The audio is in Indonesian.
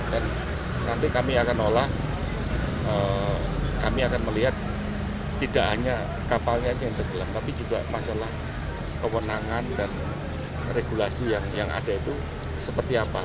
dan nanti kami akan olah kami akan melihat tidak hanya kapalnya yang tergelam tapi juga masalah kewenangan dan regulasi yang ada itu seperti apa